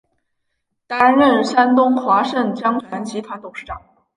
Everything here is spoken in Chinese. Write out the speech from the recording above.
担任山东华盛江泉集团董事长。